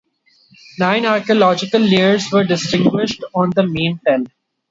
Nine archaeological layers were distinguished on the main tell.